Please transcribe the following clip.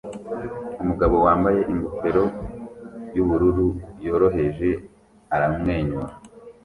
Umugabo wambaye ingofero yubururu yoroheje aramwenyura